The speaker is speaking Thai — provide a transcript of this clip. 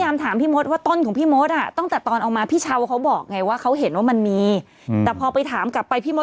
มันก็ต้องเป็นหน่อมันอย่างนี้